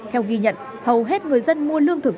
theo ghi nhận hầu hết người dân mua lương thực